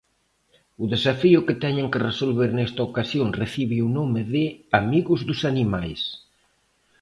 O desafío que teñen que resolver nesta ocasión recibe o nome de "Amigos dos Animais".